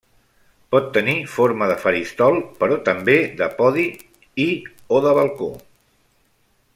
Pot tenir forma de faristol, però també de podi i o de balcó.